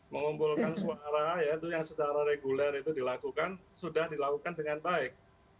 mengumpulkan suara ya itu yang secara reguler itu dilakukan sudah dilakukan dengan baik